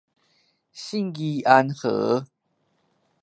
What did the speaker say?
信義安和